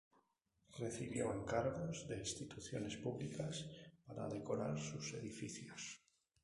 Recibió encargos de instituciones públicas para decorar sus edificios.